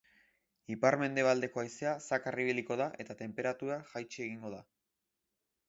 Ipar-mendebaldeko haizea zakar ibiliko da, eta tenperatura jaitsi egingo da.